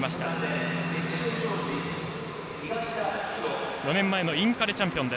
東田は４年前のインカレチャンピオン。